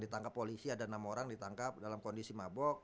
ditangkap polisi ada enam orang ditangkap dalam kondisi mabok